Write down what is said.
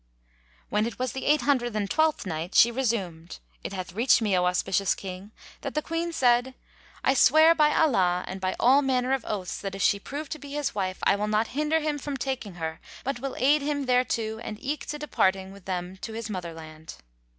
When it was the Eight Hundred and Twelfth Night, She resumed, It hath reached me, O auspicious King, that the Oueen said, "I swear by Allah and by all manner of oaths that if she prove to be his wife, I will not hinder him from taking her but will aid him thereto and eke to departing with them to his mother land."